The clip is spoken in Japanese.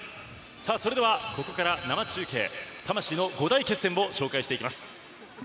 それでは、ここから生中継魂の五大決戦を紹介していきます。